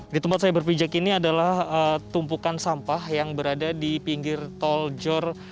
di tempat saya berpijak ini adalah tumpukan sampah yang berada di pinggir tol jor